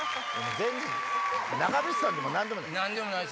長渕さんでも何でもない。